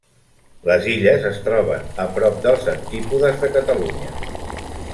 Les illes es troben a prop dels antípodes de Catalunya.